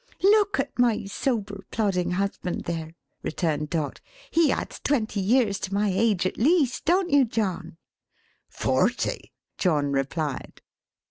"Look at my sober, plodding husband there," returned Dot. "He adds Twenty years to my age at least. Don't you John?" "Forty," John replied.